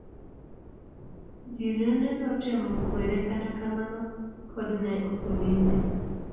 Jirende notemo kwere kata kamano pod ne okowinjo.